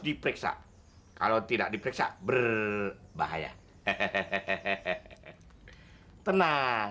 diperiksa kalau tidak diperiksa berbahaya hehehe tenang